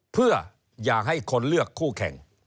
เพื่ออยากให้คนเลือกคู่แข่ง